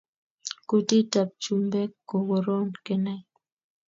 Kutit tab chumbek ko koron kenai---